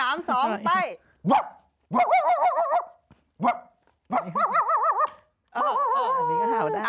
อันนี้ก็เห่านะ